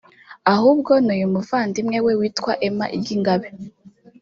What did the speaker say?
ahubwo ni iy’umuvandimwe we witwa Emma Iryingabe